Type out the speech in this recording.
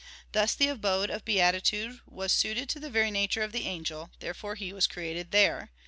Thus the abode of beatitude was suited to the very nature of the angel; therefore he was created there.